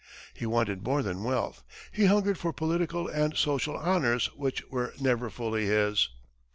He wanted more than wealth he hungered for political and social honors which were never fully his.